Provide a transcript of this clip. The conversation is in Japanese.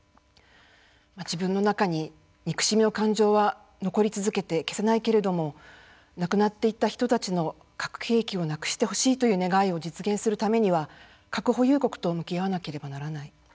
自分の中に憎しみの感情は残り続けて消せないけれども亡くなっていった人たちの核兵器をなくしてほしいという願いを実現するためには核保有国と向き合わなければならない。